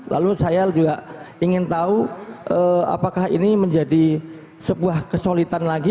lalu saya juga ingin tahu apakah ini menjadi sebuah kesulitan lagi